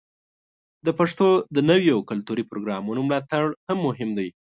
د پښتو د نویو کلتوري پروګرامونو ملاتړ مهم دی.